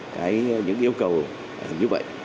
cái những yêu cầu như vậy